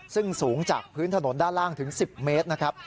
ซึ่งสูงจากพื้นถนนด้านล่างถึง๑๐เมตรนะครับ